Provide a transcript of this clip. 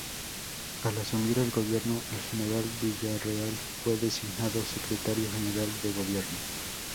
Al asumir el gobierno el general Villarreal, fue designado secretario general de gobierno.